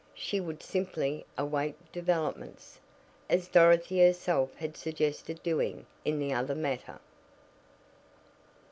She would simply "await developments," as Dorothy herself had suggested doing in the other matter.